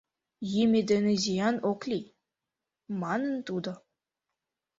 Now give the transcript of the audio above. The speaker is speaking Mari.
— Йӱмӧ дене зиян ок лий, — манын тудо.